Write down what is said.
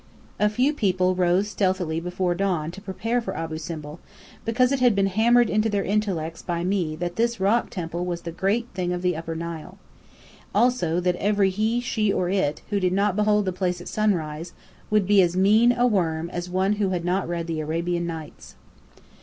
A few people rose stealthily before dawn to prepare for Abu Simbel, because it had been hammered into their intellects by me that this Rock Temple was the Great Thing of the Upper Nile. Also that every he, she, or it, who did not behold the place at sunrise would be as mean a worm as one who had not read the "Arabian Nights."